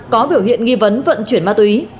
có biểu hiện nghi vấn vận chuyển ma túy